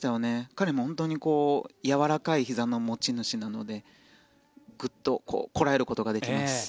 彼も本当にやわらかいひざの持ち主なのでグッとこらえることができます。